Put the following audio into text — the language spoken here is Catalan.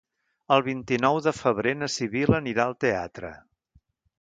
El vint-i-nou de febrer na Sibil·la anirà al teatre.